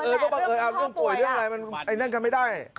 เออก็บอกเออเรื่องป่วยเรื่องอะไรมันแน่นกันไม่ได้